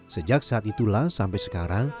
sejak saat itulah sampai sekarang